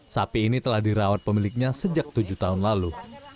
sapi ini telah dirawat pemiliknya sejak tujuh tahun lalu